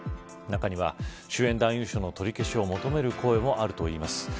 中には、主演男優賞の取り消しを求める声もあるといいます。